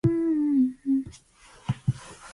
Several cultural buildings were restored and renovated.